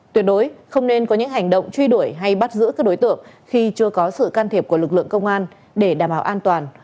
tuyệt đối không nên có những hành động truy đuổi hay bắt giữ các đối tượng khi chưa có sự can thiệp của lực lượng công an để đảm bảo an toàn